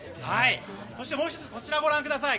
そしてもう１つこちらをご覧ください。